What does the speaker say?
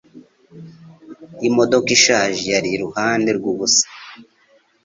Imodoka ishaje yari iruhande rwubusa.